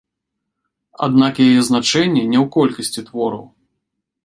Аднак яе значэнне не ў колькасці твораў.